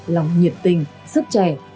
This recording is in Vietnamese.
lòng nhiệt tình sức trẻ